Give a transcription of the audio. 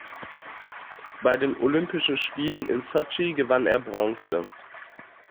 Bei den Olympischen Spielen in Sotschi gewann er Bronze.